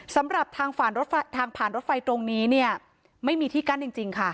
สำหรับทางผ่านรถไฟตรงนี้เนี่ยไม่มีที่กั้นจริงค่ะ